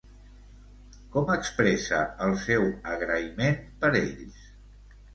Com expressa el seu agraïment per ells?